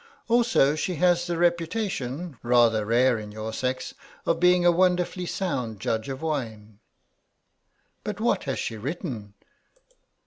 Also she has the reputation, rather rare in your sex, of being a wonderfully sound judge of wine." "But what has she written?"